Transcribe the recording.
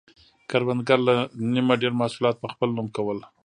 کروندګرو له نییمه ډېر محصولات په خپل نوم کول.